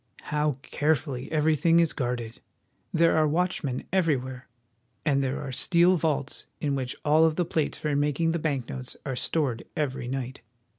How carefully everything is guarded ! There are watch men everywhere, and there are steel vaults in which all of the plates for making the bank notes are stored every night.